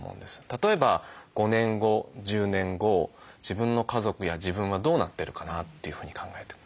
例えば５年後１０年後自分の家族や自分はどうなってるかなというふうに考えて。